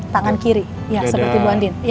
tangan kiri ya seperti bu andin